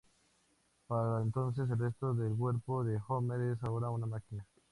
Para entonces, el resto del cuerpo de Homer es ahora una máquina.